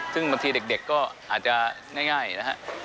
ซึ่งบางทีเด็กก็อาจจะง่ายนะฮะ